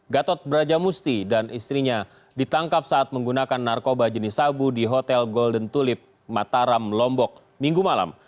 gatot brajamusti dan istrinya ditangkap saat menggunakan narkoba jenis sabu di hotel golden tulip mataram lombok minggu malam